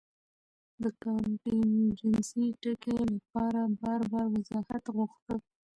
د کانټېنجنسي ټکي له پاره بار بار وضاحت غوښتۀ